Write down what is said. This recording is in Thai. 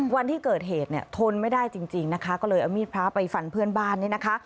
วันที่เกิดเหตุเนี่ยทนไม่ได้จริงนะคะก็เลยเอามีดพระไปฟันเพื่อนบ้านเนี่ยนะคะ